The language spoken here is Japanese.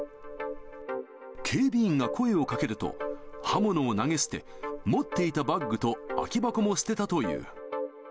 警備員が声をかけると、刃物を投げ捨て、持っていたバッグと空き箱も捨てたという。